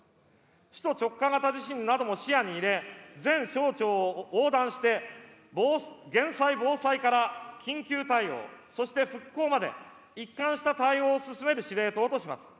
首都直下型地震なども視野に入れ、全省庁を横断して、減災・防災から緊急対応、そして復興まで、一貫した対応を進める司令塔とします。